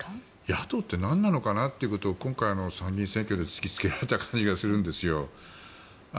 野党ってなんなのかなということを今回の参議院選挙で突きつけられた感じがするんですよ。